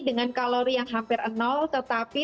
dengan kalori yang hampir tetapi